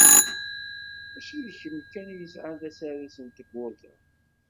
Mačči d kemm kan i yesεan tasarut n tewwurt-a?